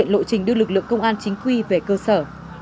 lộ trình đưa lực lượng công an chính quy về cơ sở